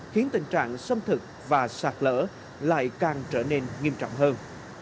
khiến tình trạng xâm thực và sạt lỡ lại càng trở nên nghiêm trọng hơn